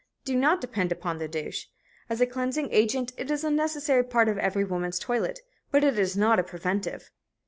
Do not depend upon the douche. As a cleansing agent, it is a necessary part of every woman's toilet, but it is not a preventive.